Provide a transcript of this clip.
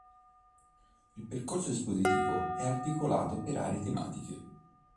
Il percorso espositivo è articolato per aree tematiche.